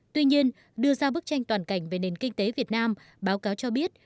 tuy nhiên đưa ra bức tranh toàn cảnh về nền kinh tế việt nam báo cáo cho biết